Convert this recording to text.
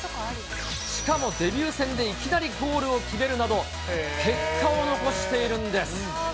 しかもデビュー戦でいきなりゴールを決めるなど、結果を残しているんです。